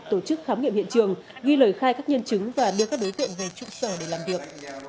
tổ chức khám nghiệm hiện trường ghi lời khai các nhân chứng và đưa các đối tượng về trụ sở để làm việc